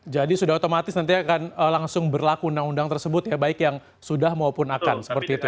jadi sudah otomatis nanti akan langsung berlaku undang undang tersebut ya baik yang sudah maupun akan seperti itu ya